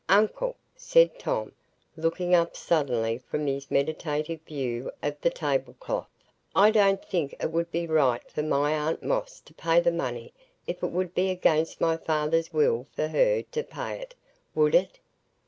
"Uncle," said Tom, looking up suddenly from his meditative view of the tablecloth, "I don't think it would be right for my aunt Moss to pay the money if it would be against my father's will for her to pay it; would it?"